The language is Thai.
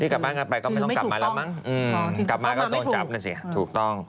อืมกลับมาก็ต้องจับนั่นสิถูกต้อง